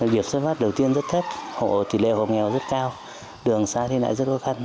việc sắp phát đầu tiên rất thất hộ tỉ lệ hộ nghèo rất cao đường xa thế này rất khó khăn